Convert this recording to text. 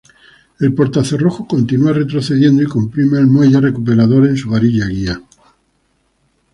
El portacerrojo continua retrocediendo y comprime al muelle recuperador en su varilla guía.